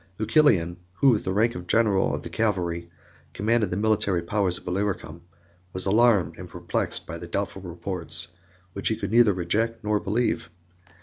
Lucilian, who, with the rank of general of the cavalry, commanded the military powers of Illyricum, was alarmed and perplexed by the doubtful reports, which he could neither reject nor believe.